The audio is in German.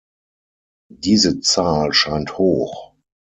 Diese Zahl scheint hoch.